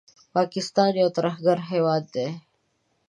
پاکستان یو ترهګر هېواد دی